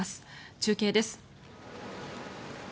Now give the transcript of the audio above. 中継です。